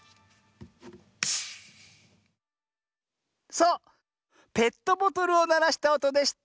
そうペットボトルをならしたおとでした。